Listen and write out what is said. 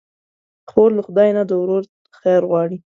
خور له خدای نه د ورور خیر غواړي.